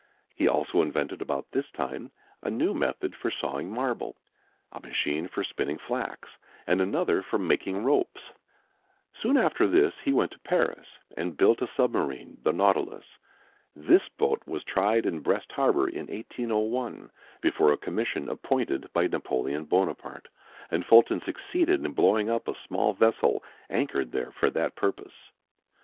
He also invented about this time a new method for sawing marble, a machine for spinning flax, and another for making ropes. Soon after this he went to Paris, and built a submarine, the Nautilus. This boat was tried in Brest Harbor in 1801, before a commission appointed by Napoleon Bonaparte, and Fulton succeeded in blowing up a small vessel anchored there for that purpose.